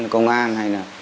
công an hay là